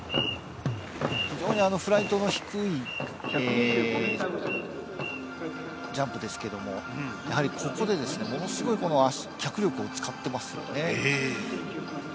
非常にフライトの低いジャンプですけどもここで、ものすごい脚力を使っていますね。